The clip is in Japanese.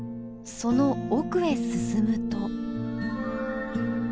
その奥へ進むと。